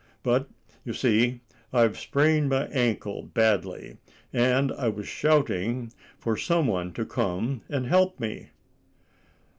But, you see, I've sprained my ankle badly, and I was shouting for some one to come and help me."